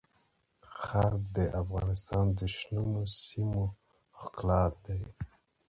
جلګه د افغانستان د شنو سیمو ښکلا ده.